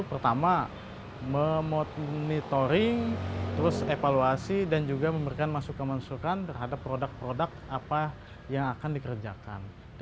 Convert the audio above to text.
pertama memonitoring terus evaluasi dan juga memberikan masukan masukan terhadap produk produk apa yang akan dikerjakan